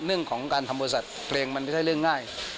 เรื่องของการทำบริษัทเพลงมันไม่ใช่เรื่องง่าย